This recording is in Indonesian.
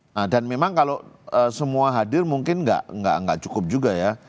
nah dan memang kalau semua hadir mungkin nggak cukup juga ya